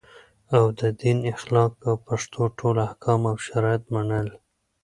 او د دین اخلاق او پښتو ټول احکام او شرایط منل